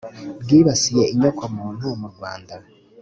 bwibasiye inyoko muntu mu rwanda.